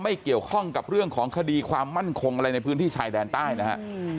เกี่ยวข้องกับเรื่องของคดีความมั่นคงอะไรในพื้นที่ชายแดนใต้นะฮะ